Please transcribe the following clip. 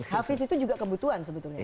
hafiz itu juga kebutuhan sebetulnya